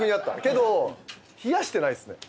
けど冷やしてないですね。